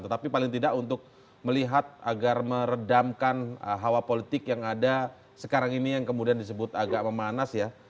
tetapi paling tidak untuk melihat agar meredamkan hawa politik yang ada sekarang ini yang kemudian disebut agak memanas ya